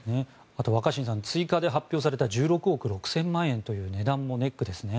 あと、若新さん追加で発表された１６億６０００万円という値段もネックですね。